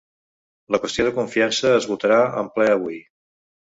La qüestió de confiança es votarà en ple avui